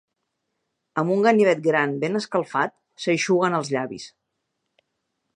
Amb un ganivet gran ben escalfat s'eixuguen els llavis.